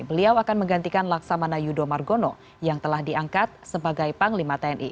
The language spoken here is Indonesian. beliau akan menggantikan laksamana yudho margono yang telah diangkat sebagai panglima tni